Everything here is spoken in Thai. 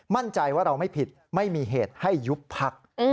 มั่นใจว่าเราไม่ผิดไม่มีเหตุให้ยุบพัก